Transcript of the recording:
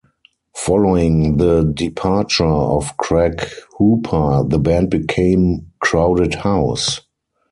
Following the departure of Craig Hooper the band became Crowded House.